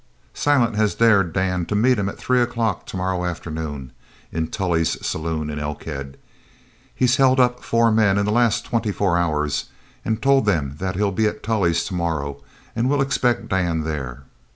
"Silent has dared Dan to meet him at three o'clock tomorrow afternoon in Tully's saloon in Elkhead! He's held up four men in the last twenty four hours and told them that he'll be at Tully's tomorrow and will expect Dan there!"